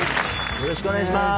よろしくお願いします。